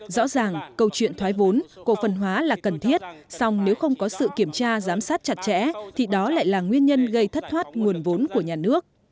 rõ ràng câu chuyện thoái vốn cổ phần hóa là cần thiết song nếu không có sự kiểm tra giám sát chặt chẽ thì đó lại là nguyên nhân gây thất thoát nguồn vốn của nhà nước